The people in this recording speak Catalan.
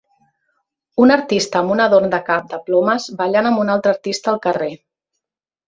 un artista amb un adorn de cap de plomes ballant amb un altre artista al carrer